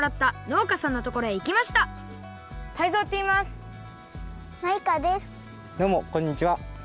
どうもこんにちは。